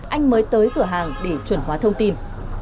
anh mới tới cửa hàng để chuẩn hóa thông tin